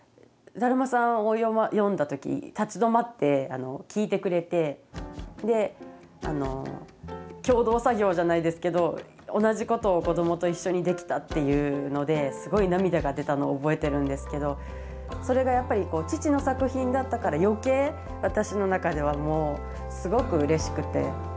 「だるまさん」を読んだ時立ち止まって聞いてくれてで共同作業じゃないですけど同じことを子どもと一緒にできたっていうのですごい涙が出たのを覚えてるんですけどそれがやっぱりこう父の作品だったから余計私の中ではもうすごくうれしくて。